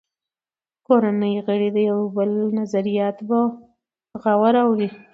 کورنۍ غړي د یو بل نظریات په غور اوري